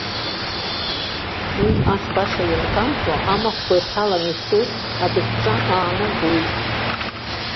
Уи ас баша ианкамҭәо амахәқәа ирҭалан ицоит, абыӷьҿа аанагоит.